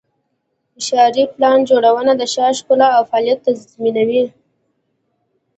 ښاري پلان جوړونه د ښار ښکلا او فعالیت تضمینوي.